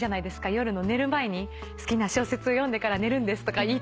夜の寝る前に好きな小説を読んでから寝るんですとか言いたいんです。